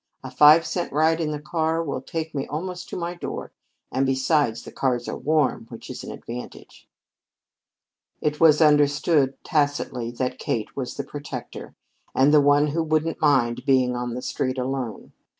A five cent ride in the car will take me almost to my door; and besides the cars are warm, which is an advantage." It was understood tacitly that Kate was the protector, and the one who wouldn't mind being on the street alone.